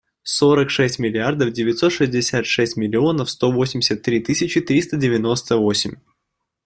Сорок шесть миллиардов девятьсот шестьдесят шесть миллионов сто восемьдесят три тысячи триста девяносто восемь.